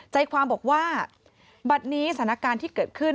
ใจความบอกว่าบัตรนี้สถานการณ์ที่เกิดขึ้น